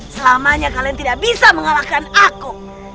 selamanya kalian tidak bisa mengalahkan aku